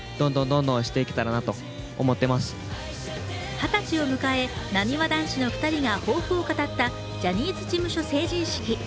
二十歳を迎え、なにわ男子の２人が抱負を語ったジャニーズ事務所成人式。